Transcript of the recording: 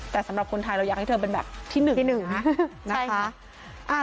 แต่สำหรับคนไทยเราอยากให้เธอเป็นแบบที่๑ที่๑นะนะคะ